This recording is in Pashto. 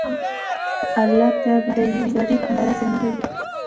الله په چا باندي د يوې ذري په اندازه ظلم نکوي